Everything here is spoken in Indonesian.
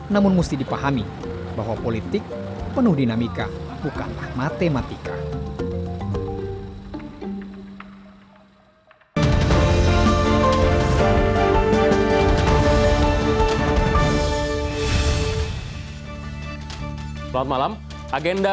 namun mesti dipahami bahwa politik penuh dinamika bukanlah matematika